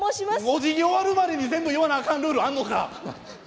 おじぎ終わるまでに全部言わなあかんルールあんのか。